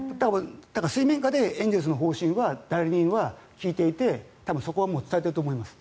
水面下でエンゼルスの方針は代理人は聞いていてそこは伝えていると思います。